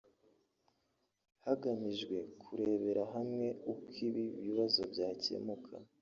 hagamijwe kurebera hamwe uko ibi bibazo byakemuka